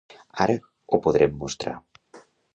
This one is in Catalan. Ara, ho podrem mostrar.